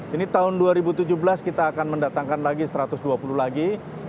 ini tahun dua ribu tujuh belas kita akan mendatangkan lagi satu ratus dua puluh lagi